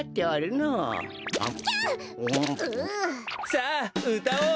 さあうたおう！